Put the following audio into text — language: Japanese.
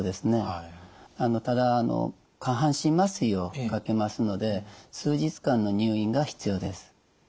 ただ下半身麻酔をかけますので数日間の入院が必要です。